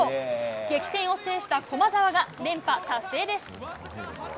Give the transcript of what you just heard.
激戦を制した駒澤が連覇達成です。